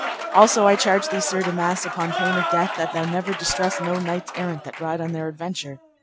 Also I charge thee, Sir Damas, upon pain of death, that thou never distress no knights errant that ride on their adventure.